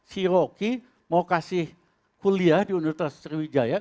si roki mau kasih kuliah di universitas sriwijaya